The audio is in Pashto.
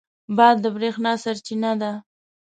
باد د برېښنا سرچینه ده.